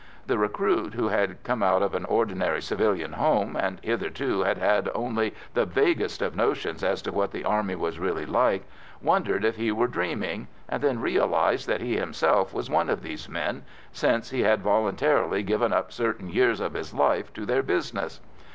The recruit, who had come out of an ordinary civilian home, and hitherto had had only the vaguest of notions as to what the Army was really like, wondered if he were dreaming, and then realised that he himself was one of these men, since he had voluntarily given up certain years of his life to their business.